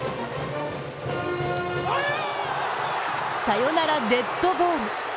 サヨナラデッドボール。